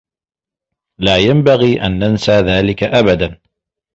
لا ينبغي أن ننسى ذلك أبدا.